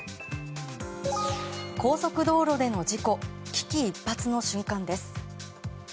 高速道路での事故危機一髪の瞬間です。